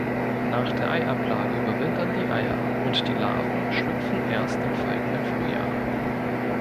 Nach der Eiablage überwintern die Eier und die Larven schlüpfen erst im folgenden Frühjahr.